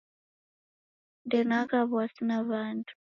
Ndenagha w'asi na w'andu.